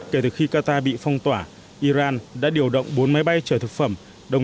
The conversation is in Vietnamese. kể từ khi qatar bị phong tỏa iran đã điều đoán